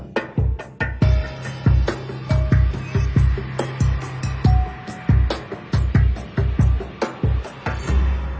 โปรดติดตามตอนต่อไป